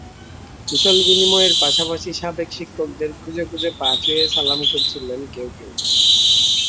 কুশলবিনিময়ের পাশাপাশি সাবেক শিক্ষকদের খুঁজে খুঁজে পা ছুঁয়ে সালাম করছিলেন কেউ কেউ।